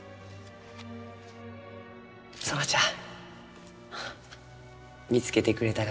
園ちゃん見つけてくれたがかえ？